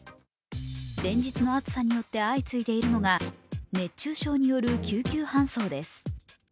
連日の暑さによって相次いでいるのが熱中症による救急搬送です。